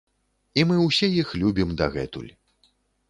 І мы ўсе іх любім дагэтуль.